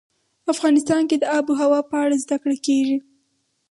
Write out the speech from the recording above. افغانستان کې د آب وهوا په اړه زده کړه کېږي.